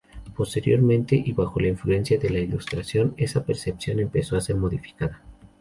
Posteriormente, y bajo la influencia de la Ilustración esa percepción empezó a ser modificada.